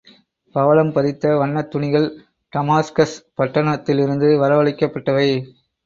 பவழம் பதித்த வண்ணத் துணிகள், டமாஸ்கஸ் பட்டணத்திலிருந்து வரவழைக்கப்பட்டவை.